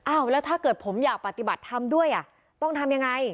แล้วถ้าเกิดผมอยากปฏิบัติธรรมด้วยอ่ะต้องทำยังไง